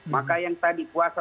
maka yang tadi puasa